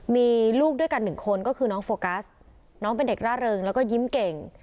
มีลูกด้วยกันหนึ่งคนก็คือน้องโฟกัสน้องเป็นเด็กร่าเริงแล้วก็ยิ้มเก่ง